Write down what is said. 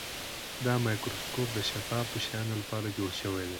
دا مایکروسکوپ د شفافو شیانو لپاره جوړ شوی دی.